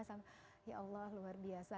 ya allah luar biasa